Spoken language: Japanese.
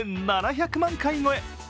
１７００万回超え！